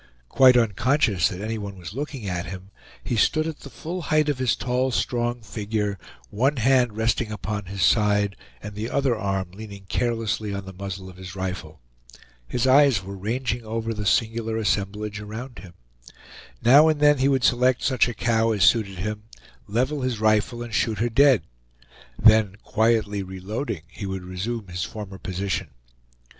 Quite unconscious that any one was looking at him, he stood at the full height of his tall, strong figure, one hand resting upon his side, and the other arm leaning carelessly on the muzzle of his rifle. His eyes were ranging over the singular assemblage around him. Now and then he would select such a cow as suited him, level his rifle, and shoot her dead; then quietly reloading, he would resume his former position.